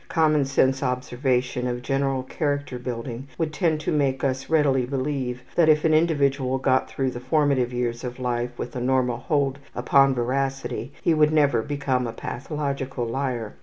Common sense observation of general character building would tend to make us readily believe that if an individual got through the formative years of life with a normal hold upon veracity he would never become a pathological liar.